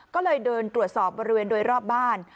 ก็เลยเดินตรวจสอบบริเวณโดยรอบบ้าน